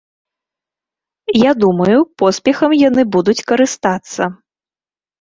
Я думаю, поспехам яны будуць карыстацца.